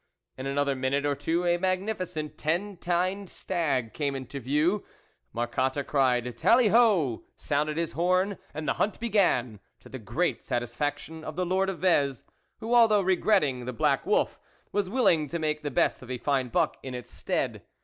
In another minute or two a magnificent ten tined stag came into view. Marcotte cried Tally ho, sounded his horn, and the hunt began, to the great satisfaction of the Lord of Vez, who, although regretting the black wolf, was willing to make the best of a fine buck in its stead.